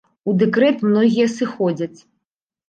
У дэкрэт многія сыходзяць.